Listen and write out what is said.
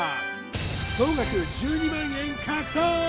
総額１２万円獲得！